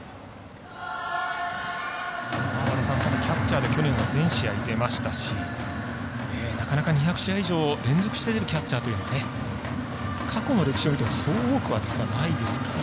ただキャッチャーで去年は全試合出ましたし、なかなか２００試合以上連続して出るキャッチャーというのは過去の歴史を見てもそう多くは実はないですから。